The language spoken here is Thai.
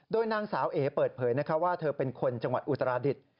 โดยนางสาวเอ๋เปิดเผยว่าเธอเป็นคนจังหวัดอุตราดิษฐ์